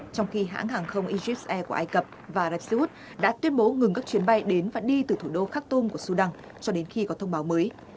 trong khi hãng hàng không egypt air của ai cập và rapsiut đã tuyên bố ngừng các chuyến bay đến và đi từ thủ đô khak tum của sudan cho đến khi có thông báo mới